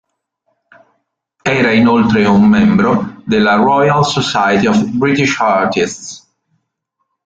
Era inoltre un membro della "Royal Society of British Artists".